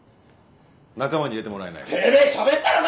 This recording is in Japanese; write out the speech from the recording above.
仲間に入れてもらえないかな？